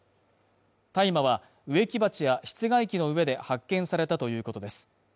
大麻は植木鉢や室外機の上で発見されたということです。